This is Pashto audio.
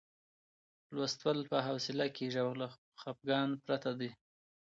لوستل په حوصله کېږي او له خپګان پرته دی.